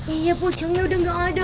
iya pucungnya udah gak ada